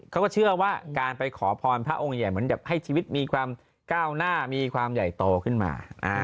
เขาก็เชื่อว่าการไปขอพรพระองค์ใหญ่เหมือนแบบให้ชีวิตมีความก้าวหน้ามีความใหญ่โตขึ้นมา